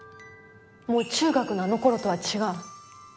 もう中学のあの頃とは違う。